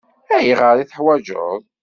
Ayɣer i t-teḥwaǧeḍ?